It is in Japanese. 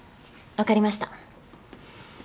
分かりました。